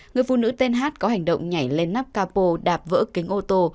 người phụ nữ tên hát có hành động nhảy lên nắp capo đạp vỡ kính ô tô